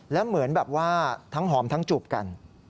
แล้วเหมือนทั้งหอมทั้งจุบกัน